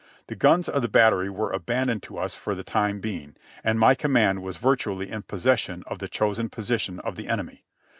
The guns of the battery were abandoned to us for the time being, and my command was vir tually in possession of the chosen position of the enemy.